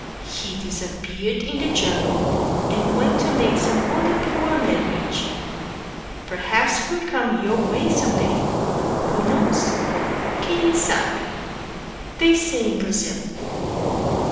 He disappeared in the jungle and went to make some other poor man rich. Perhaps he will come your way some day. Who knows? "Quem sabe?" they say in Brazil.